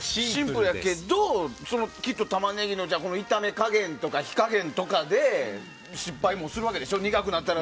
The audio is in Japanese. シンプルやけどタマネギの炒め加減とか火加減とかで失敗もするわけでしょ。